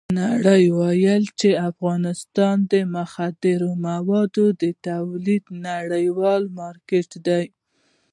نړۍ وایي چې افغانستان د مخدره موادو د تولید نړیوال مارکېټ دی.